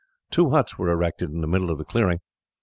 Two huts were erected in the middle of the clearing.